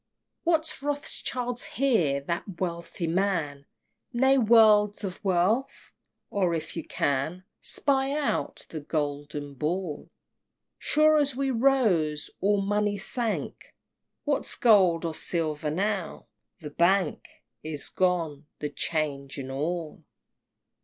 XXVIII. What's Rothschild here, that wealthy man! Nay, worlds of wealth? Oh, if you can Spy out, the Golden Ball! Sure as we rose, all money sank: What's gold or silver now? the Bank Is gone the 'Change and all!